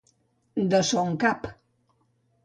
De son cap.